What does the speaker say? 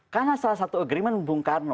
karena salah satu agreement bung karno